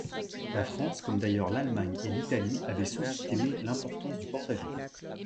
La France, comme d'ailleurs l'Allemagne et l'Italie, avait sous-estimé l'importance du porte-avions.